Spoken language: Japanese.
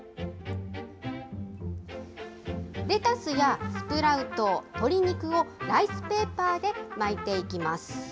レタスやスプラウト、鶏肉を、ライスペーパーで巻いていきます。